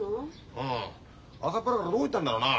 ああ朝っぱらからどこ行ったんだろうな。